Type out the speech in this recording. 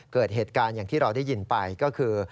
เกิดเหตุการณ์อย่างที่เราได้ยินไปก็คือ